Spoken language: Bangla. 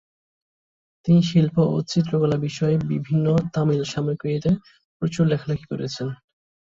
তিনি শিল্প ও চিত্রকলা বিষয়ে বিভিন্ন তামিল সাময়িকীতে প্রচুর লেখালেখি করেছেন।